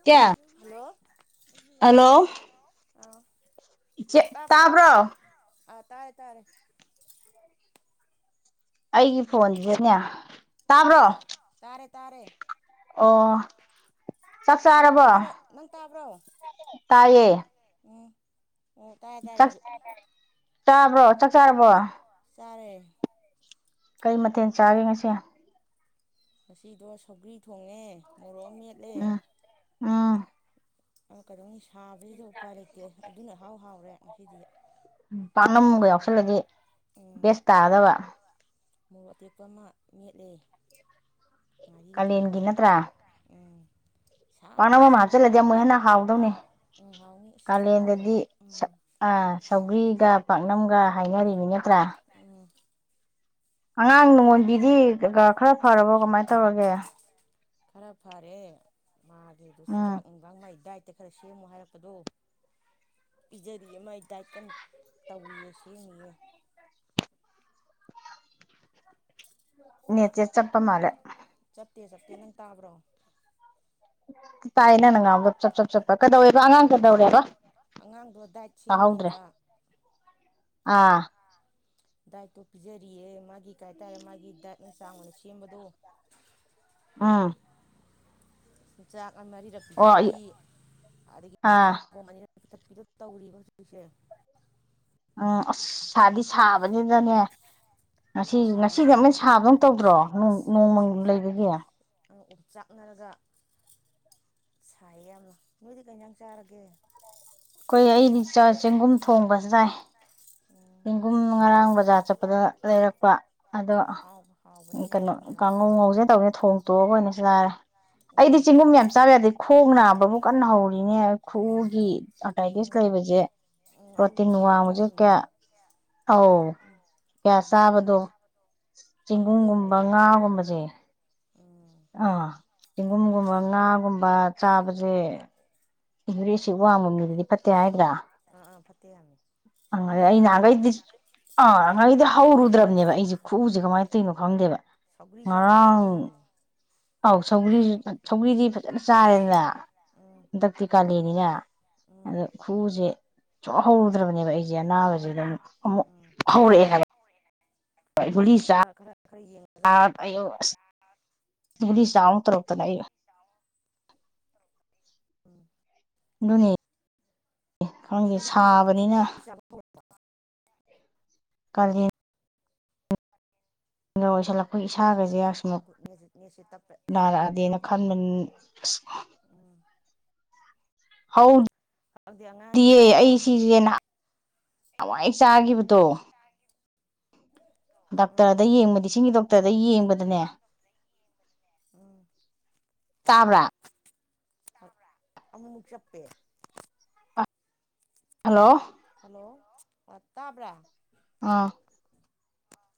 ꯏꯆꯦ hello hello ꯑꯥ ꯏꯆꯦ ꯇꯥꯕ꯭ꯔꯣ ꯇꯕꯔꯣ ꯑꯥ ꯇꯥꯔꯦ ꯇꯥꯔꯦ ꯑꯩꯒꯤ ꯐꯣꯟꯗꯨꯗꯅꯦ ꯇꯥꯕ꯭ꯔꯣ ꯇꯥꯔꯦ ꯇꯥꯔꯦ ꯑꯣ ꯆꯛ ꯅꯪ ꯆꯥꯔꯕꯣ ꯇꯥꯕ꯭ꯔꯣ ꯅꯪ ꯇꯥꯕ꯭ꯔꯣ ꯇꯥꯏꯌꯦ ꯎꯝ ꯑꯣ ꯇꯥꯔꯦ ꯇꯥꯔꯦ ꯆꯥꯛ ꯑꯩꯁꯨ ꯆꯥꯕ꯭ꯔꯣ ꯆꯥꯛ ꯆꯥꯔꯕꯣ ꯆꯔꯦ ꯀꯔꯤ ꯃꯊꯦꯜ ꯆꯥꯒꯦ ꯉꯁꯤ ꯉꯁꯤꯗꯣ ꯁꯧꯒ꯭ꯔꯤ ꯊꯣꯡꯉꯦ ꯃꯣꯔꯣꯛ ꯑꯃꯥ ꯃꯦꯠꯂꯦ ꯎꯝ ꯎꯝ ꯑ ꯀꯗꯣꯉꯩ ꯁꯨ ꯊꯥꯕꯩꯁꯨ ꯎꯄꯥꯏ ꯂꯩꯇꯦ ꯑꯗꯨꯅ ꯍꯥꯎ ꯍꯥꯎꯔꯦ ꯉꯥꯁꯤꯗꯤ ꯄꯥꯛꯅꯝꯒ ꯌꯥꯎꯁꯜꯂꯗꯤ ꯎꯝ ꯕꯦꯁ ꯇꯥꯒꯗꯕ ꯃꯣꯔꯣꯛ ꯑꯇꯦꯛꯄ ꯑꯃ ꯃꯦꯠꯂꯤ ꯉꯔꯤꯒ ꯇꯧꯔꯒꯥ ꯎꯝ ꯄꯥꯥꯛꯅꯝ ꯁꯥꯕꯗ ꯑꯃ ꯍꯞꯆꯤꯜ ꯁꯥꯕ ꯂꯗꯤ ꯑꯃꯨꯛ ꯍꯦꯟ ꯅꯥ ꯍꯥꯎ ꯗꯣꯅꯤ ꯎꯝ ꯍꯥꯎꯅꯤ ꯑꯁ ꯄꯥꯛꯅꯝꯒꯗꯣ ꯀꯥꯂꯦꯟꯗꯗꯤ ꯎꯝ ꯑꯥꯥ ꯁꯧꯒ꯭ꯔꯤ ꯒ ꯄꯥꯛꯅꯝꯒ ꯍꯥꯏꯅꯔꯤꯃꯤꯅꯤꯅ ꯇ꯭ꯔꯥ ꯎꯝ ꯑꯉꯥꯡ ꯅꯣꯟꯕꯤꯗꯤ ꯇꯦꯉꯥ ꯈꯔ ꯐꯔꯕꯣ ꯀꯃꯥꯏꯅ ꯇꯧꯔꯒꯦ ꯈꯔ ꯐꯔꯦ ꯃꯥꯒꯤ ꯎꯝ ꯗꯣꯁꯤꯖꯥꯛ ꯅꯨꯡꯕꯥꯛ ꯃꯥꯏ ꯗꯥꯏꯠ ꯑ ꯈꯔ ꯁꯦꯝꯃꯣ ꯍꯥꯏꯔꯛꯄꯗꯣ ꯄꯤꯖꯔꯤꯌꯦ ꯃꯥꯏ ꯗꯥꯏꯠ ꯀꯟꯅ ꯇꯧꯔꯤꯌꯦ ꯁꯦꯝꯃꯤꯌꯦ ꯅꯦ ꯆꯦ ꯆꯞꯄꯥ ꯃꯜꯂꯦ ꯆꯞꯇꯦ ꯆꯞꯇꯦ ꯅꯪ ꯇꯥꯕ꯭ꯔꯣ ꯇꯤꯠ ꯇꯥꯌꯦ ꯅꯪꯅꯥ ꯉꯥꯡꯕ ꯆꯞ ꯆꯞ ꯆꯞꯄ ꯀꯩꯗꯧꯋꯦꯕ ꯑꯉꯥꯡ ꯀꯩꯗꯧꯔꯦꯕ ꯑꯉꯥꯡꯗꯣ ꯗꯥꯏꯠ ꯇꯥꯍꯧꯗ꯭ꯔꯦ ꯁꯦꯝꯃꯤꯑꯕ ꯑꯥ ꯗꯥꯏꯠꯇꯣ ꯄꯤꯖꯔꯤꯌꯦ ꯃꯥꯒꯤ ꯀꯩ ꯍꯥꯏꯇꯥꯔꯦ ꯃꯥꯒꯤ ꯗꯥꯏꯠꯅ ꯆꯥꯡ ꯑꯣꯏꯅ ꯁꯦꯝꯕꯗꯣ ꯑꯥ ꯖꯥꯠ ꯃꯔꯤꯔꯛ ꯑꯣ ꯄꯤꯖꯕꯤ ꯑꯗꯒꯤꯗꯤ ꯑꯥ ꯁꯪꯒꯣꯝ ꯑꯅꯤꯔꯛ ꯄꯤꯊꯛꯄꯤꯗ ꯇꯧꯔꯤꯕ ꯍꯧꯖꯤꯛ ꯁꯦ ꯑꯥ ꯑꯁ ꯁꯥꯗꯤ ꯁꯥ ꯕꯅꯤꯅꯅꯦ ꯉꯁꯤ ꯑꯗꯣ ꯉꯁꯤꯅꯤ ꯁꯥꯕꯅꯤꯅ ꯑꯃꯨꯛ ꯁꯥꯕꯒꯨꯝ ꯇꯧꯗ꯭ꯔꯣ ꯁꯥꯏ ꯅꯣꯡꯃꯪ ꯂꯩꯕꯒꯤ ꯑꯪ ꯑꯣꯝ ꯆꯥꯛꯅꯔꯒ ꯁꯥꯏꯌꯦ ꯌꯥꯝꯅ ꯅꯣꯏꯗꯤ ꯀꯪ ꯑꯦꯟꯁꯥꯡ ꯆꯔꯒꯦ ꯑꯩꯈꯣꯏ ꯑꯩꯗꯤ ꯆꯦꯡꯒꯨꯝ ꯊꯣꯡꯕ ꯆꯥꯏ ꯎꯝ ꯆꯦꯡꯒꯨꯝ ꯉꯔꯥꯡ ꯕꯖꯥꯔ ꯆꯠꯄꯗ ꯂꯩꯔꯛꯄ ꯑꯗꯣ ꯍꯥꯎꯕ ꯍꯥꯎꯕꯅꯤꯅꯦ ꯀꯩꯅꯣ ꯆꯦꯡꯒꯨꯝꯗꯣ ꯀꯥꯡꯉꯧ ꯉꯧꯁꯦ ꯇꯧꯁꯦ ꯊꯣꯡ ꯇꯣꯛꯑꯒ ꯑꯣꯏꯅꯁꯨ ꯂꯥꯏꯔꯦ ꯎꯝ ꯑꯩꯗꯤ ꯆꯤꯡꯒꯨꯝ ꯌꯥꯝ ꯆꯥꯔꯦ ꯑꯗꯩ ꯈꯣꯡ ꯅꯥꯕꯕꯨ ꯀꯟꯅ ꯍꯧꯔꯤꯅꯦ ꯈꯨꯒꯤ ꯑꯦꯊ꯭ꯔꯥꯏꯏꯇꯤꯁ ꯎꯝ ꯂꯩꯕꯁꯦ ꯎꯝ ꯑꯗꯨ ꯄ꯭ꯔꯣꯇꯤꯟ ꯑꯗꯨ ꯋꯥꯡꯕꯁꯦ ꯄꯛꯅꯗꯕꯅꯦ ꯀꯌꯥ ꯑꯧ ꯎꯝ ꯀꯌꯥ ꯎꯝ ꯆꯥꯕꯗꯨ ꯄꯛꯅꯗꯦ ꯄꯥꯛꯅꯗꯦ ꯆꯦꯡꯒꯨꯝꯒꯨꯝꯕ ꯍꯥꯏꯕꯅꯤꯗꯣ ꯉꯥꯒꯨꯝꯕꯁꯦ ꯎꯝ ꯑꯥ ꯆꯦꯡꯒꯨꯝꯒꯨꯝꯕ ꯉꯥꯒꯨꯝꯕ ꯆꯥꯕꯁꯦ ꯌꯨꯔꯤꯛ ꯑꯦꯁꯤꯠ ꯋꯥꯡꯕ ꯃꯤꯗꯗꯤ ꯐꯠꯇꯦ ꯍꯥꯏ ꯑ ꯑꯥ ꯑꯥ ꯐꯠꯇꯦ ꯍꯥꯏꯕꯅꯤ ꯁꯧꯒ꯭ꯔꯤꯁꯨ ꯑꯩ ꯐꯠꯇꯦ ꯍꯥꯏꯕꯅꯤ ꯅꯍꯥꯟꯈꯩꯗꯤ ꯑꯥ ꯅꯍꯥꯟꯈꯩꯗꯤ ꯍꯧꯔꯨꯗ꯭ꯔꯕꯅꯦꯕ ꯑꯩꯁꯦ ꯈꯨꯎꯁꯦ ꯎꯝ ꯀꯃꯥꯏꯅ ꯇꯧꯔꯤꯅꯣ ꯈꯪꯗꯦꯕ ꯁꯧꯒ꯭ꯔꯤ ꯆꯥꯕꯁꯨ ꯉꯔꯥꯡ ꯐꯠꯇꯦ ꯍꯥꯏꯕꯅꯤ ꯑꯥꯎ ꯁꯒ꯭ꯔꯤꯁꯨ ꯁꯧꯒ꯭ꯔꯤꯗꯤ ꯐꯖꯅ ꯆꯥꯔꯦꯗꯅ ꯎꯝ ꯍꯟꯗꯛ ꯇꯤ ꯀꯂꯦꯟꯅꯤꯅ ꯎꯝ ꯑꯗꯨ ꯈꯨꯎꯁꯤ ꯁꯦ ꯁꯨꯛꯍꯧ ꯍꯧꯗ꯭ꯔꯕꯅꯦꯕ ꯑꯩꯁꯦ ꯑꯅꯥꯕꯁꯤꯗ ꯑꯃꯨꯛ ꯎꯝ ꯍꯧꯔꯛꯑꯦ ꯍꯥꯏꯕ ꯈꯔ ꯈꯔ ꯌꯦꯡ ꯑꯥ ꯑꯌꯣ ꯒꯨꯂꯤ ꯆꯥꯎ ꯇꯧꯔꯛꯇꯅ ꯑꯩ ꯎꯝ ꯗꯨꯅꯦ ꯈꯪꯗꯦ ꯅꯪ ꯒꯨꯂꯤ ꯆꯥꯔꯕꯣ ꯁꯥꯕꯅꯤꯅ ꯒꯨꯂꯤ ꯆꯥꯕ ꯍꯧꯔꯕꯣ ꯀꯥꯂꯦꯟ ꯒ ꯑꯣꯏꯁꯤꯜꯂꯛꯄ ꯏꯁꯥꯒꯁꯦ ꯌꯥꯁꯃꯛ ꯒꯨꯠ ꯅꯦꯠꯁꯦ ꯅꯦꯠꯁꯦ ꯇꯞꯄꯦ ꯇꯞꯄꯦ ꯅꯥꯔꯛꯑꯗꯦꯅ ꯈꯟꯕ ꯑꯁ ꯎꯝ ꯍꯧ ꯈꯪꯗꯦ ꯑꯉꯥꯡꯁꯤꯡꯁꯨꯅꯦ ꯑꯩ ꯁꯤꯁꯦ ꯅꯍꯥꯟ ꯅꯍꯥꯟꯋꯥꯏ ꯆꯥꯈꯤꯕꯗꯣ ꯎꯝ ꯗꯣꯛꯇꯔꯗ ꯌꯦꯡꯕꯗꯤ ꯏꯁꯤꯡꯒꯤ ꯗꯣꯛꯇꯔꯗ ꯌꯦꯡꯕꯗꯅꯦ ꯎꯝ ꯇꯥꯕ꯭ꯔꯥ ꯑꯃꯨꯛ ꯆꯞꯄꯦ ꯍꯜꯂꯣ ꯇꯥꯕ꯭ꯔꯥ ꯑꯥ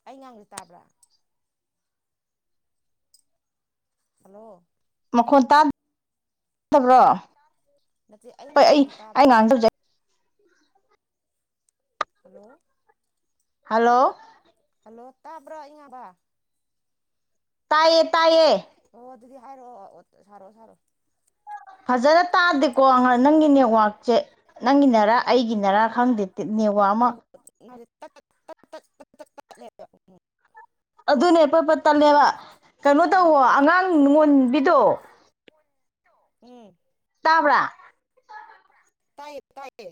ꯑꯩ ꯉꯥꯡꯕꯁꯦ ꯇꯥꯕ꯭ꯔꯥ ꯍꯜꯂꯣ ꯃꯈꯣꯟ ꯇꯥ ꯇꯥꯗꯕ꯭ꯔꯣ ꯍꯜꯂꯣ ꯅꯠꯇꯦ ꯑꯩꯅ ꯍꯣꯏ ꯑꯩ ꯉꯥꯡꯕꯁꯦ ꯑꯩ ꯉꯥꯡ ꯇꯥꯕ꯭ꯔꯕ ꯇꯧꯖꯩ ꯍꯂꯣ ꯍꯜꯂꯣ ꯍꯜꯂꯣ ꯇꯥꯕ꯭ꯔꯣ ꯏꯕ ꯇꯥꯏꯌꯦ ꯇꯥꯏꯌꯦꯌꯦ ꯁꯔꯣ ꯁꯔꯣ ꯁꯔꯣ ꯐꯖꯅ ꯇꯥꯗꯦꯀꯣ ꯅꯪꯒꯤ ꯅꯦꯠꯋꯥꯛꯛꯁꯦ ꯅꯪꯒꯤꯅꯦ ꯑꯩꯒꯤ ꯅꯔꯛ ꯈꯪꯗꯦ ꯅꯦꯋꯥ ꯑꯃ ꯇ ꯇ ꯇ ꯇ ꯇ ꯑꯗꯨꯅꯦ ꯄ ꯄ ꯇꯂꯦꯕ ꯀꯩꯅꯣ ꯎꯝ ꯇꯧꯋꯣ ꯑꯉꯥꯡ ꯉꯣꯟꯕꯤꯗꯣ ꯎꯝ ꯇꯥꯕ꯭ꯔꯥ ꯇꯥꯏꯌꯦ ꯇꯥꯏꯌꯦ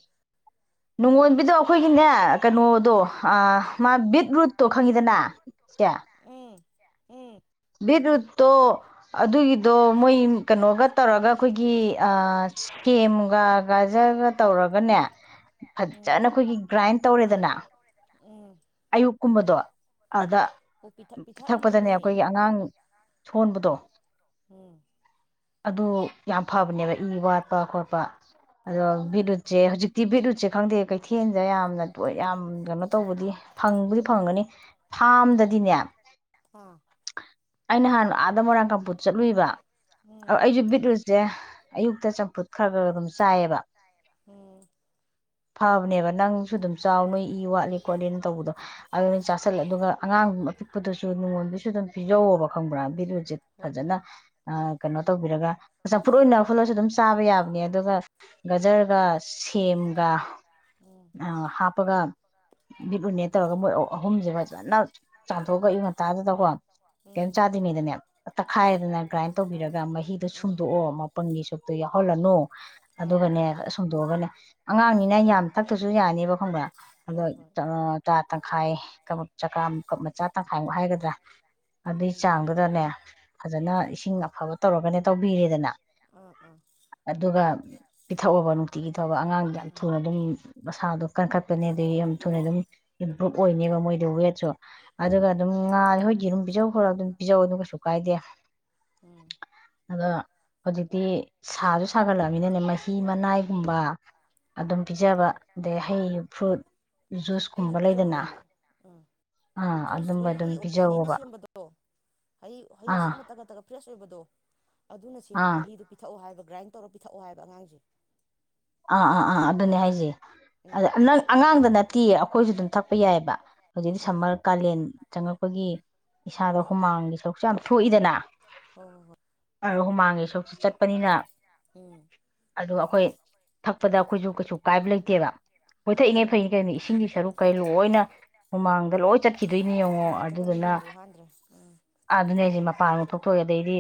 ꯅꯣꯡꯉꯣꯟꯕꯤꯗꯣ ꯑꯩꯈꯣꯏꯒꯤꯅꯦ ꯀꯩꯅꯣꯗꯣ ꯃꯥ ꯕꯤꯠꯔꯨꯠꯇꯣ ꯈꯪꯉꯤꯗꯅ ꯁꯦ ꯑꯦ ꯕꯤꯠꯔꯨꯠꯇꯣ ꯑꯗꯨꯒꯤꯗꯣ ꯃꯣꯏ ꯀꯩꯅꯣꯒ ꯇꯧꯔꯒ ꯑꯩꯈꯣꯏꯒꯤ ꯁꯦꯝꯦꯝꯒ ꯒꯖꯒ ꯇꯧꯔꯒꯅꯦ ꯎꯝ ꯐꯖꯅ ꯑꯩꯈꯣꯏꯒꯤ ꯒ꯭ꯔꯥꯏꯟ ꯇꯧꯔꯦꯗꯅ ꯎꯝ ꯑꯌꯨꯛꯀꯨꯝꯕꯗꯣ ꯑꯗꯨꯗ ꯑꯣ ꯄꯤꯊ ꯄꯤ ꯊꯛꯄꯗꯅꯦ ꯄꯤꯊꯛꯑꯝꯕꯅꯦ ꯑꯩꯈꯣꯏꯒꯤ ꯑꯉꯥꯡ ꯁꯣꯟꯕꯗꯣ ꯎꯝ ꯑꯗꯨ ꯌꯥꯝ ꯐꯕꯅꯦꯕ ꯏ ꯋꯥꯠꯄ ꯈꯣꯠꯄ ꯑꯗꯣ ꯕꯤꯠꯎꯨꯠꯁꯦ ꯍꯧꯖꯤꯛꯇꯤ ꯕꯤꯠ ꯎꯨꯠꯁꯦ ꯈꯪꯗꯦ ꯀꯩ ꯀꯊꯦꯟꯁꯦ ꯌꯥꯝꯅꯣꯏ ꯌꯥꯝ ꯀꯩꯅꯣ ꯇꯧꯕꯗꯤ ꯐꯪꯕꯨꯗꯤ ꯐꯪꯒꯅꯤ ꯎꯝ ꯐꯥꯔꯝꯗꯗꯤꯅꯦ ꯑꯥ ꯑ ꯅꯍꯥꯟꯅ ꯑꯥꯗ ꯃꯣꯏꯔꯥꯡ ꯀꯥꯡꯄꯨꯠ ꯆꯠꯂꯨꯏꯕ ꯎꯝ ꯑꯩꯁꯨꯕꯤ ꯁꯦ ꯑꯌꯨꯛꯇ ꯆꯝꯐꯨꯠ ꯈꯔ ꯈꯔ ꯑꯗꯨꯝ ꯆꯥꯏꯑꯕ ꯎꯝ ꯐꯕꯅꯦꯕ ꯅꯪꯁꯨ ꯑꯗꯨꯝ ꯆꯥꯎ ꯅꯣꯏ ꯏ ꯋꯥꯠꯂꯤ ꯈꯣꯠꯂꯤ ꯇꯧꯕꯗꯣ ꯑꯗꯨꯅ ꯆꯥꯥꯁꯜꯂ ꯑꯗꯨꯒ ꯑꯉꯥꯡ ꯑꯄꯤꯛꯄꯗꯨꯁꯨ ꯉꯣꯟꯗꯨꯒꯤꯁꯨ ꯑꯗꯨꯝ ꯄꯤꯖꯧꯋꯣꯕ ꯈꯪꯕ꯭ꯔꯥ ꯕꯤꯔꯨꯁꯦ ꯍꯣꯏ ꯐꯖꯅ ꯀꯩꯅꯣ ꯎꯝ ꯇꯧꯕꯤꯔꯒ ꯆ ꯐꯨꯠꯏ ꯑꯣꯏꯅ ꯈꯣꯠꯂꯁꯨ ꯑꯗꯨꯝ ꯆꯥꯕ ꯌꯥꯕꯅꯦ ꯑꯗꯨꯒ ꯒꯖꯔꯒ ꯁꯦꯝꯒ ꯎꯝ ꯍꯥꯞꯄꯒ ꯕꯤꯠ ꯎꯨꯅꯦ ꯇꯧꯔꯒ ꯃꯣꯏ ꯑꯍꯨꯝꯁꯦ ꯐꯖꯅ ꯆꯥꯝꯊꯣꯛꯑꯒ ꯑꯌꯨ ꯉꯟꯇꯥꯗꯗꯀꯣ ꯀꯩꯝ ꯎꯝ ꯆꯥꯗ꯭ꯉꯗꯅꯦ ꯍꯣꯏ ꯇꯛꯈꯥꯏꯗꯅ ꯒ꯭ꯔꯥꯏꯟ ꯑꯥ ꯇꯧꯕꯤꯔꯒ ꯃꯍꯤꯗꯣ ꯑꯥ ꯁꯨꯝꯗꯣꯛꯑꯣ ꯃꯄꯪꯒꯤ ꯁꯨꯞꯇꯣ ꯌꯥꯎ ꯍꯂꯅꯨ ꯑꯥ ꯑꯗꯨꯒꯅꯦ ꯁꯨꯝꯗꯣꯛꯑꯒꯅꯦ ꯑꯉꯥꯡꯅꯤꯅ ꯌꯥꯝ ꯊꯛꯇꯁꯨ ꯌꯥꯅꯦꯕ ꯈꯪꯕ꯭ꯔꯥ ꯍꯣꯏ ꯑꯗꯣꯏ ꯍꯣꯏ ꯆꯥ ꯇꯪꯈꯥꯏ ꯀꯕꯨ ꯆꯀꯥ ꯀꯛ ꯃꯆꯥ ꯇꯪꯈꯥꯏꯃꯨꯛ ꯍꯥꯏꯒꯗ꯭ꯔꯥ ꯑꯗꯨꯏ ꯎꯝ ꯆꯥꯡꯗꯨꯗꯅꯦ ꯐꯖꯅ ꯎꯝ ꯏꯁꯤꯡ ꯑꯐꯕ ꯇꯧꯔꯒꯅꯦ ꯇꯧꯕꯤꯔꯦꯗꯅ ꯑꯥ ꯑꯥ ꯑꯗꯨꯒ ꯄꯤꯊꯛꯑꯕ ꯅꯨꯡꯇꯤꯒꯤ ꯊꯕ ꯑꯉꯥꯡꯗ ꯌꯥꯝ ꯎꯝ ꯊꯨꯅ ꯑꯗꯨꯝ ꯃꯁꯥꯗꯣ ꯀꯪꯀꯔꯄꯅꯦꯗꯤꯦꯝ ꯊꯨꯅ ꯑꯗꯨꯝ ꯏꯝꯄ꯭ꯔꯕ ꯑꯣꯏꯅꯦꯕ ꯃꯣꯏꯗ ꯋꯦꯠꯁꯨ ꯍꯣꯏ ꯑꯗꯨꯒ ꯍꯣꯏ ꯑꯗꯨꯝ ꯍꯣꯏ ꯉꯥ ꯍꯣꯏꯒꯤ ꯑꯗꯨꯝ ꯄꯤꯖꯧ ꯈꯔ ꯑꯗꯨꯝ ꯄꯤꯖꯧꯗ ꯀꯩꯁꯨ ꯀꯥꯏꯗꯦ ꯎꯝ ꯑꯗꯣ ꯍꯧꯖꯤꯛꯇꯤ ꯁꯥꯁꯨ ꯁꯥꯒꯠꯂꯛꯃꯤꯅꯅꯦ ꯃꯍꯤ ꯃꯅꯥꯏꯒꯨꯝꯕ ꯑꯗꯨꯝ ꯍꯣꯏꯅꯦ ꯄꯤꯖꯕ ꯑꯗꯩ ꯍꯩ ꯑꯥ ꯐ꯭ꯔꯨꯠ ꯍꯩꯁꯨ ꯖꯨꯁꯀꯨꯝꯕ ꯄꯤꯖꯧ ꯂꯩꯗꯅ ꯍꯥꯏꯩꯌꯦ ꯎꯝ ꯑꯥ ꯖꯨꯁ ꯑꯗꯨꯝꯕ ꯑꯩꯈꯣꯏ ꯑꯗꯨꯝ ꯍꯩ ꯑꯣꯔꯤꯖꯤꯅꯦꯅ ꯄꯤꯖꯧꯕ ꯁꯦꯝꯕꯗꯣ ꯍꯩ ꯍꯩ ꯑꯥ ꯑꯁꯤ ꯑꯃ ꯇꯒ ꯇꯛꯒ ꯐ꯭ꯔꯦꯁ ꯑꯣꯏꯕ ꯀꯨꯗꯣ ꯑꯗꯨꯅ ꯁꯦꯝꯕ ꯑꯥ ꯃꯍꯤꯗꯨꯣ ꯄꯤꯊꯛꯑꯣ ꯍꯥꯏꯕ ꯒ꯭ꯔꯥꯏꯟ ꯇꯧꯔ ꯄꯤꯊꯛꯑꯣ ꯍꯥꯏꯕ ꯑꯉꯥꯡꯁꯦ ꯑꯥ ꯑꯥ ꯑꯥ ꯑꯗꯨꯅꯦ ꯍꯥꯏꯁꯦ ꯎꯝ ꯑꯗꯪ ꯑꯉꯥꯡꯗ ꯅ ꯇꯤ ꯑꯩꯈꯣꯏꯁꯨ ꯑꯗꯨꯝ ꯊꯛꯄ ꯌꯥꯏꯑꯕ ꯍꯧꯖꯤꯛꯇꯤ ꯎꯝ ꯁꯝꯃꯔ ꯀꯥꯂꯦꯟ ꯆꯪꯉꯛꯄꯒꯤ ꯏꯁꯥꯗ ꯎꯝ ꯍꯨꯃꯥꯡꯒꯤ ꯁꯔꯨꯛꯁꯨ ꯌꯥꯝ ꯊꯣꯛꯏꯗꯅ ꯍꯣꯏ ꯍꯣꯏ ꯑ ꯍꯨꯃꯥꯡꯒꯤ ꯁꯔꯛꯁ ꯆꯠꯄꯅꯤꯅ ꯎꯝ ꯑ ꯑꯩꯈꯣꯏ ꯊꯛꯄꯗ ꯑꯩꯈꯣꯏꯁꯨ ꯀꯩꯁꯨ ꯀꯥꯏꯕ ꯂꯩꯇꯦꯕ ꯑꯣꯏꯣꯏꯊꯛꯏꯉꯩ ꯍꯣꯏꯅꯦ ꯐꯩꯅꯤ ꯀꯩꯅꯅꯤꯣ ꯏꯁꯤꯡꯒꯤ ꯁꯔꯨꯛ ꯀꯩ ꯎꯝ ꯂꯣꯏꯅ ꯍꯨꯃꯥꯡꯗ ꯂꯣꯏ ꯆꯠ ꯈꯤꯗꯣꯏꯅꯤ ꯌꯦꯡꯉꯣ ꯍꯨꯃꯥꯡ ꯆꯠꯈ꯭ꯔꯕꯅ ꯑꯗꯨꯗꯨꯅ ꯌꯨꯡꯕꯨ ꯍꯥꯟꯗ꯭ꯔꯦ ꯎꯝ ꯑꯥ ꯑꯗꯨꯅꯦ ꯑꯩꯁꯦ ꯃꯄꯥꯟꯒ ꯊꯣꯛꯇꯣꯛꯑꯦ ꯑꯗꯩꯗꯤ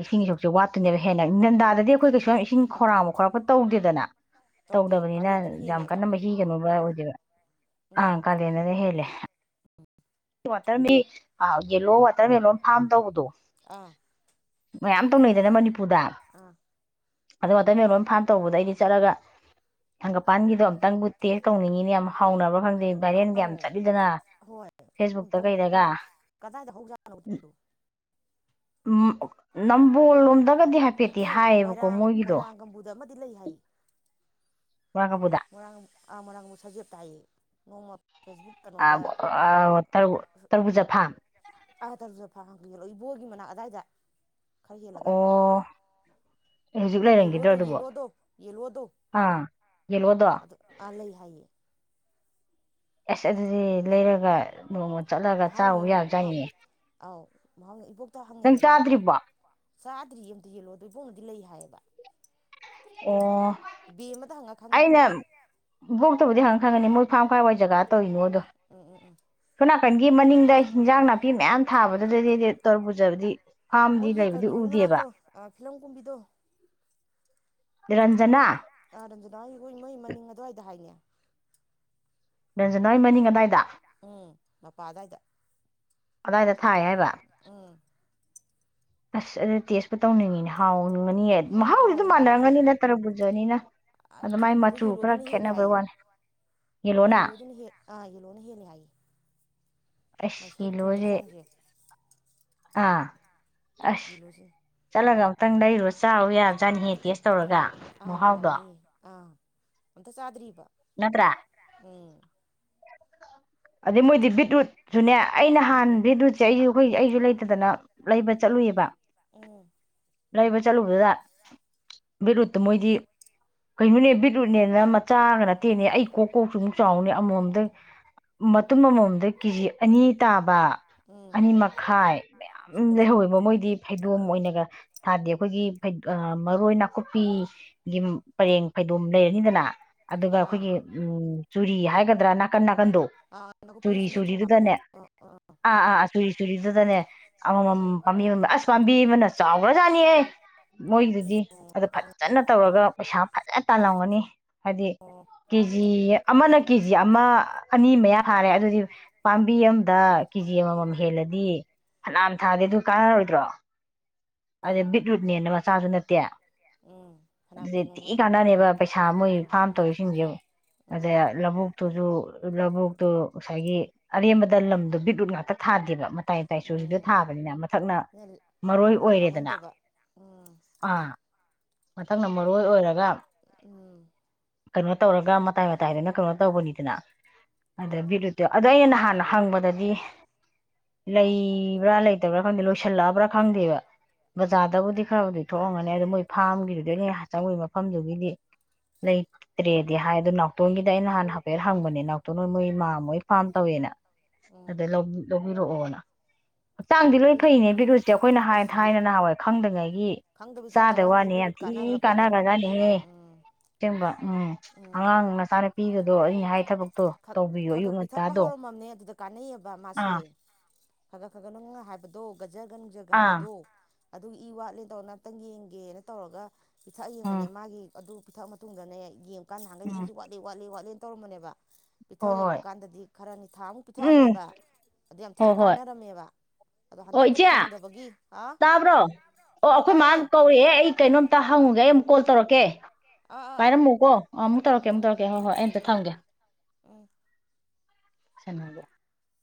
ꯏꯁꯤꯡ ꯏ ꯁꯁꯨꯁꯦ ꯋꯥꯠꯇꯨꯅꯦꯕ ꯍꯦꯟꯅ ꯅꯟꯗꯥꯗꯗꯤ ꯑꯩꯈꯣꯏ ꯀꯩꯁꯨ ꯌꯥꯝ ꯏꯁꯤꯡ ꯈꯧꯔꯥꯡꯕ ꯈꯣꯔꯛꯄ ꯇꯧꯗꯦꯗꯅ ꯇꯧꯗꯦ ꯇꯧꯗꯕꯅꯤꯅ ꯀꯥꯂꯦꯟꯗꯅ ꯌꯥꯝ ꯍꯦꯜꯂꯦꯕ ꯀꯟꯅ ꯃꯍꯤꯒꯅꯣꯕ [inaudible] ꯑ ꯎꯝ ꯀꯗꯅꯅꯦ ꯍꯦ ꯋꯥꯇꯔ ꯌꯦꯂꯣ ꯋꯥꯇꯔꯃꯦꯂꯂꯣꯟ ꯐꯥꯔꯝ ꯇꯧꯕꯗꯣ ꯑꯥ ꯃꯌꯥꯝ ꯇꯧꯅꯩꯗꯅ ꯃꯅꯤꯄꯨꯔ ꯄꯨꯗꯥ ꯑꯥ ꯑꯗꯨ ꯃꯇꯝ ꯂꯣꯏ ꯐꯥꯝ ꯇꯧꯕꯗ ꯑꯩꯗꯤ ꯆꯠꯂꯒ ꯍꯒꯄꯥꯟꯒꯤꯗꯣ ꯑꯨꯛꯇꯪꯕꯨ ꯇꯦꯁ ꯇꯧꯅꯤꯡꯉꯤꯅꯤ ꯌꯥꯝ ꯍꯥꯎꯅꯕ ꯈꯪꯗꯦ ꯔꯤꯦꯟꯦꯟꯒ ꯌꯥꯝ ꯑꯥꯎ ꯆꯠꯗꯅ ꯍꯣꯏ ꯀꯗꯥꯏꯗ ꯍꯧꯖꯕꯅꯣ ꯅꯝꯕꯣꯜꯅꯣꯗ ꯑꯇꯩ ꯃꯣꯏꯔꯥꯡ ꯃꯣꯏꯔꯥꯡ ꯒꯝꯕꯨꯗ ꯑꯃꯗꯤ ꯂꯩ ꯍꯥꯏ ꯕꯣꯔꯥꯀꯥꯄꯨꯗ ꯃꯥꯡ ꯑ ꯃꯥꯡꯕꯨ ꯁꯖꯠ ꯇꯥꯏꯌꯦ ꯅꯣꯡꯃ ꯐꯦꯁꯕꯨꯛ ꯑ ꯀꯩꯅꯣꯗ ꯑ ꯇꯔ ꯇꯔꯕꯨꯖ ꯐꯥꯝ ꯑꯥ ꯊꯁꯨ ꯐꯕꯤꯂ ꯏꯕꯣꯒꯤ ꯃꯅꯥꯛ ꯑꯗꯥꯏꯗ ꯈꯔ ꯍꯦꯜꯂꯒ ꯑꯣ ꯍꯧꯖꯤꯛ ꯂꯩꯔꯝꯈꯤꯗ꯭ꯔꯣ ꯌꯦꯂꯣꯗꯣ ꯑꯗꯨꯕꯣ ꯌꯦꯂꯣꯗꯣ ꯌꯦꯂꯣꯗꯣ ꯑꯥ ꯌꯦꯜꯂꯣꯗꯣ ꯑ ꯑꯥ ꯂꯩ ꯍꯥꯏꯌꯦ ꯑꯁ ꯑꯗꯨꯗꯤ ꯂꯩꯔꯒ ꯅꯣꯡꯃ ꯆꯠꯂꯒ ꯆꯕ ꯌꯥ ꯆꯏꯅꯦ ꯃꯥ ꯏ ꯍꯪꯉꯦꯗꯅ ꯄꯥꯎ ꯆꯥꯗ꯭ꯔꯤ ꯑꯝꯇ ꯌꯦꯦꯜꯂꯣ ꯑꯗꯣ ꯏꯕꯧꯅꯗꯤ ꯂꯩ ꯍꯥꯏꯌꯦ [inaudible] ꯑꯣ ꯕꯤ ꯑꯃꯗ ꯍꯪꯉ ꯈꯪꯉꯤ ꯇꯕꯨꯗꯤ ꯍꯪꯉ ꯈꯪꯅꯤ ꯃꯣꯏ ꯐꯥꯝ ꯈꯔꯋꯥ ꯖꯒꯥ ꯇꯧꯔꯤꯅꯣ ꯎꯝ ꯎꯝ ꯎꯝ ꯁꯣꯅꯥꯀꯟꯒꯤ ꯃꯅꯤꯡꯗ ꯍꯤꯟꯖꯥꯡ ꯅꯥꯄꯤ ꯅꯨꯄꯤ ꯃꯌꯥꯝ ꯊꯥꯕꯗꯨꯗꯗꯤꯗꯤ ꯇꯧꯔ ꯄꯨꯖꯕꯗꯤ ꯃꯣꯏꯒꯤ ꯀꯩꯅꯣꯍꯣꯒꯤ ꯃꯅꯥꯛꯇꯣ ꯐꯤꯂꯝ ꯀꯨꯝꯕꯤꯗꯣ ꯃꯣꯏꯥ ꯔꯟꯖꯅꯥ ꯔꯟꯖꯅꯥ ꯑꯩ ꯍꯣꯏ ꯏ ꯃꯣꯏ ꯃꯅꯤꯡ ꯑꯗꯨꯋꯥꯏꯗ ꯍꯥꯏꯅꯦ ꯔꯟꯖꯅꯥꯒꯤ ꯃꯅꯤꯡ ꯑꯗꯥꯏꯗ ꯎꯝ ꯃꯄꯥꯗ ꯍꯥꯏꯗ ꯑꯗꯥꯏꯗ ꯊꯥꯏ ꯍꯥꯏꯕ ꯎꯝ ꯑꯁ ꯑꯗꯨ ꯇꯦꯁꯄꯨ ꯇꯧꯅꯤꯡꯉꯤꯅꯦ ꯍꯥꯎ ꯅꯤ ꯍꯥ ꯃꯍꯥꯎꯗꯤ ꯑꯗꯨꯝ ꯍꯥꯎꯋꯦ ꯍꯥꯏꯌꯦ ꯃꯥꯟꯅꯔꯝꯒꯅꯤꯅ ꯇꯔꯛ ꯄꯨꯟꯖꯅꯤꯅ ꯑꯗꯨ ꯃꯥꯏ ꯊꯨꯝꯕꯗꯣ ꯃꯆꯨ ꯈꯔ ꯌꯦꯜꯂꯣꯗꯨꯅ ꯍꯦꯜꯂꯦ ꯈꯦꯠꯅꯕꯩ ꯍꯥꯏꯌꯦ ꯋꯥꯅꯤ ꯌꯦꯂꯣꯅ ꯌꯦꯜꯂꯣꯗꯨꯅ ꯍꯦ ꯑꯥ ꯌꯦꯜꯂꯣꯅ ꯍꯦꯜꯂꯦ ꯍꯥꯏꯌꯦ ꯑ ꯃꯥꯏ ꯁꯔꯨꯛ ꯊꯨꯝꯕꯩ ꯏꯂꯣꯖꯦ ꯆꯥꯡꯁꯦ ꯑꯥ ꯑꯁ ꯌꯦꯜꯂꯣꯁꯤꯅ ꯆꯠꯂꯒ ꯑꯨꯛꯇꯪ ꯂꯩꯔꯨ ꯆꯥꯔꯨ ꯌꯥꯕꯖꯥꯅꯤꯍꯦ ꯇꯦꯁ ꯇꯧꯔꯒ ꯃꯍꯍꯥꯎꯗꯣ ꯑꯗ ꯆꯥꯗꯔꯤ ꯎꯝ ꯑꯗꯗꯤ ꯃꯣꯏꯗꯤꯕꯤꯗꯨꯠ ꯨꯅꯌꯥ ꯑꯩꯅ ꯍꯥꯟꯅ ꯎꯝ ꯚꯤꯗꯨꯁꯦ ꯑꯌꯨꯛ ꯑꯩꯈꯣꯏ ꯑꯩꯁꯨ ꯂꯩꯇꯗꯅ ꯂꯩꯕ ꯆꯠꯂꯨꯏꯕ ꯎꯝ ꯂꯩꯕ ꯆꯠꯂꯨꯕꯗꯨꯗ ꯕꯤꯠꯔꯨꯠꯇꯨ ꯃꯣꯏꯗꯤ ꯀꯩꯅꯣꯅꯦ ꯕꯤꯠꯔꯨꯠꯅꯦꯅ ꯃꯆꯥꯒ ꯅꯠꯇꯦꯅꯦ ꯑꯩ ꯀꯣꯛ ꯀꯣꯛꯁꯨ ꯑꯃꯨꯛ ꯆꯥꯎꯅꯦ ꯑꯃꯨꯛ ꯑꯝꯇ ꯃꯇꯨꯝ ꯑꯃꯃꯝꯗ ꯀꯦꯖꯤ ꯑꯅꯤ ꯇꯥꯕ ꯎꯝ ꯑꯅꯤ ꯃꯈꯥꯏ ꯃꯌꯥꯝ ꯂꯩꯍꯧꯋꯦꯕ ꯃꯣꯏꯗꯤ ꯐꯩꯗꯣꯝ ꯑꯣꯏꯅꯒ ꯊꯥꯗꯦ ꯑꯩꯈꯣꯏꯒꯤ ꯃꯔꯣꯏ ꯅꯥꯀꯨꯞꯄꯤꯒꯤ ꯄꯔꯦꯡ ꯐꯩꯗꯣꯝ ꯂꯩꯔꯅꯤꯗꯅ ꯑꯗꯨꯒ ꯑꯥ ꯑꯩꯈꯣꯏꯒꯤ ꯆꯨꯔꯤ ꯍꯥꯏꯒꯗ꯭ꯔꯥ ꯅꯥꯀꯟ ꯀꯟꯗꯣ ꯑꯥ ꯅꯥꯀꯨꯞꯄꯒꯤ ꯆꯨꯔꯤ ꯆꯨꯂꯤ ꯊꯥꯕꯗꯣ ꯆꯨꯔꯤꯗꯨꯗꯅꯦ ꯑ ꯑ ꯑꯥ ꯑꯥꯥ ꯆꯨꯔꯤ ꯆꯨꯔꯤꯗꯨꯗꯅꯦ ꯎꯝ ꯑꯃꯃꯝ ꯄꯥꯝꯕꯤ ꯑꯁꯝ ꯕꯅ ꯆ ꯑꯣꯖꯥꯅꯤꯍ ꯃꯣꯏꯗꯨꯗꯤ ꯑꯗꯨ ꯐꯖꯅ ꯇꯧꯔꯒ ꯄꯩꯁꯥ ꯐꯖꯅ ꯇꯥꯜꯂꯝꯒꯅꯤ ꯍꯥꯏꯗꯤ ꯑꯣ ꯀꯦꯖꯤ ꯑꯃꯅ ꯀꯦ ꯖꯤ ꯑꯃ ꯑꯅꯤ ꯃꯌꯥ ꯐꯥꯔꯦ ꯑꯗꯨꯗꯤ ꯄꯥꯝꯕꯤ ꯑꯝꯗ ꯀꯦꯖꯤ ꯑꯃꯃꯝ ꯍꯦꯜꯂꯗꯤ ꯐꯅꯅꯥꯝ ꯊꯥꯗꯦ ꯑꯗꯨ ꯀꯥꯟꯅꯔꯣꯏꯗ꯭ꯔꯣ ꯑꯗ ꯑꯦ ꯕꯤꯠꯔꯨꯠꯅꯦꯅ ꯃꯆꯥꯁꯨ ꯅꯠꯇꯦ ꯎꯝ ꯐꯅꯌꯥꯝ ꯑꯗꯨꯗꯤ ꯇꯤ ꯇꯣꯡꯉꯝꯒꯅꯤ ꯀꯥꯟꯅꯅꯦꯕ ꯄꯩꯁꯥ ꯃꯣꯏ ꯐꯥꯝ ꯇꯧꯔꯤꯁꯤꯡꯁꯦ ꯑꯗ ꯎꯝ ꯂꯧꯕꯨꯛꯇꯨꯁꯨ ꯂꯧꯕꯣꯛꯇꯣ ꯉꯁꯥꯏꯒꯤ ꯑꯔꯦꯝꯕꯗ ꯂꯝꯗꯣ ꯕꯤꯠꯔꯨꯠ ꯉꯥꯛꯇ ꯊꯥꯗꯦꯕ ꯇꯥꯏ ꯇꯥꯏ ꯁꯨꯔꯤꯗ ꯎꯝ ꯊꯥꯕꯅꯤꯅ ꯃꯊꯛꯅ ꯃꯔꯣꯏ ꯑꯩꯈꯣꯏꯅ ꯂꯝ ꯑꯣꯏꯔꯦꯗꯅ ꯃꯥꯡꯍꯟꯗꯕ ꯎꯝ ꯑꯥ ꯃꯊꯪꯅ ꯃꯔꯣꯏ ꯑꯣꯏꯔꯒ ꯎꯝ ꯀꯩꯅꯣ ꯇꯧꯔꯒ ꯃꯇꯥꯏ ꯃꯇꯥꯏꯗꯨꯅ ꯀꯩꯅꯣ ꯇꯧꯕꯅꯤꯗꯅ ꯍꯣꯏ ꯑꯗꯦꯕꯤꯔꯛꯇꯦ ꯑꯗꯅ ꯍꯥꯟꯅ ꯍꯪꯕꯗꯗꯤ ꯂꯩꯕ꯭ꯔꯥ ꯂꯩꯇꯕ꯭ꯔꯥ ꯈꯪꯗꯦ ꯂꯣꯏꯁꯤꯜꯂꯛꯑꯕ꯭ꯔꯥ ꯈꯪꯗꯦꯕ ꯕꯖꯥꯔꯗꯕꯨꯗꯤ ꯈꯔꯕꯨꯗꯤ ꯊꯣꯛꯑꯝꯒꯅꯤ ꯑꯗꯨ ꯃꯣꯏ ꯐꯥꯝꯒꯤꯗꯨꯗ ꯑꯩꯅ ꯆꯪꯉꯨꯏ ꯃꯐꯝꯗꯨꯒꯤꯗꯤ ꯂꯩꯇ꯭ꯔꯦꯗꯤ ꯍꯥꯏ ꯑꯣ ꯅꯥꯎꯇꯣꯟꯒꯤꯗ ꯑꯩꯅ ꯍꯥꯟ ꯍꯥꯏꯐꯦꯠ ꯍꯪꯕꯅꯦ ꯅꯥꯎꯇꯣꯟ ꯍꯣꯏ ꯃꯣꯏ ꯃꯥ ꯃꯣꯏ ꯐꯥꯝ ꯇꯧꯋꯦꯅ ꯎꯝ ꯑꯗ ꯎꯝ ꯂꯧꯕꯤꯔꯛꯑꯣꯅ ꯍꯛꯆꯥꯡꯗꯤ ꯂꯣꯏ ꯕꯤꯠꯔꯨꯠ ꯐꯩꯅꯦ ꯕꯤꯒ꯭ꯔꯨꯁꯦ ꯑꯩꯈꯣꯏꯅ ꯍꯥꯏ ꯑꯁ ꯊꯥꯏꯅ ꯅꯍꯥꯟꯋꯥꯏ ꯈꯪꯗ꯭ꯉꯩꯒꯤ ꯈꯪꯗꯕꯩ ꯆꯥ ꯆꯥꯗ ꯗ ꯋꯥꯅꯤ ꯌꯥꯝ ꯕꯤꯠꯔꯨꯠ ꯊꯤ ꯀꯥꯟꯅꯈ꯭ꯔ ꯄꯣꯠꯅꯤ ꯀꯥꯟꯅꯒ꯭ꯔꯖꯥꯠꯅꯤ ꯎꯝ ꯁꯒꯕ ꯎꯝ ꯎꯝ ꯑꯉꯥꯡꯅ ꯆꯥꯅ ꯄꯤꯒꯗꯣ ꯑꯩꯩꯅ ꯍꯥꯏ ꯊꯕꯛ ꯈꯒꯛ ꯄꯤꯊꯛꯄ ꯍꯧꯔꯝꯃꯕꯅꯦ ꯑꯗꯨꯗ ꯀꯥꯟꯅꯩꯑꯕ ꯃꯥꯁꯦ ꯑꯥ ꯈꯒꯠ ꯈꯒꯠ ꯅꯪ ꯍꯥꯏꯕꯗꯣ ꯒꯖꯒꯟ ꯖꯒ ꯑꯥ ꯍꯥꯏꯕꯗꯣ ꯑꯗꯨ ꯏ ꯋꯥꯠꯂꯦꯗꯧ ꯉꯍꯇꯪ ꯌꯦꯡꯒꯦꯅ ꯇꯧꯔꯒ ꯄꯤꯊꯛ ꯌꯦꯡꯕꯅꯦ ꯎꯝ ꯃꯥꯒꯤ ꯑꯗꯨ ꯄꯤꯊꯛ ꯃꯇꯨꯡꯗꯅ ꯍ ꯌꯦꯡ ꯀꯥꯟꯅ ꯅꯪꯒꯅꯤ ꯎꯝ ꯏꯁꯨ ꯋꯥꯂꯂꯤ ꯋꯥꯂ ꯋꯥꯂꯦ ꯇꯧꯔꯝꯕꯅꯦꯕ ꯄꯤꯊꯛ ꯍꯣꯏ ꯌꯦꯡꯕ ꯍꯣꯏ ꯀꯥꯟꯗꯗꯤ ꯈꯔꯅꯤ ꯊꯥ ꯑꯃꯨꯛ ꯎꯝ ꯄꯤꯊꯛꯑꯝꯃꯦꯕ ꯑꯗꯨꯗ ꯌꯥꯝ ꯊꯤ ꯍꯣꯏ ꯍꯣꯏ ꯀꯥꯟꯅꯔꯝꯃꯦꯕ ꯑꯗꯣ ꯑꯣ ꯍꯟꯗꯛꯇꯣ ꯏꯆꯦ ꯐꯪꯗꯕꯒꯤ ꯑ ꯇꯥꯕ꯭ꯔꯣ ꯑꯣ ꯑꯩꯈꯣꯏ ꯃꯥ ꯇꯥꯏꯌꯦ ꯀꯧꯔꯛꯑꯦ ꯑꯩ ꯀꯩꯅꯣꯝꯇ ꯍꯪꯉꯨꯒꯦ ꯑꯩ ꯑꯃꯨꯛ ꯀꯣꯜ ꯇꯧꯔꯛꯀꯦ ꯑꯥ ꯑꯥ ꯑꯥ ꯄꯥꯏꯔꯝꯃꯨꯀꯣ ꯑꯃꯨꯛ ꯇꯧꯔꯛꯀꯦ ꯑꯃꯨꯛ ꯎꯝ ꯇꯧꯔꯛꯀꯦ ꯍꯣꯏ ꯍꯣꯏ ꯑꯩ ꯑꯃꯇ ꯊꯝꯒꯦ꯫ ꯎꯝ [unintelligible]